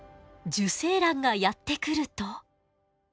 受精卵がやって来ると。